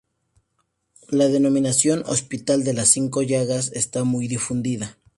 La denominación "hospital de las Cinco Llagas" está muy difundida.